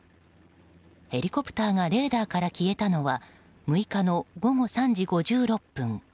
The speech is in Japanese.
ヘリコプターがレーダーから消えたのは６日の午後３時５６分。